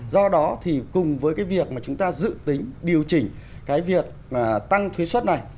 do đó thì cùng với cái việc mà chúng ta dự tính điều chỉnh cái việc tăng thuế xuất này